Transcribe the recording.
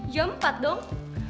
jam empat dong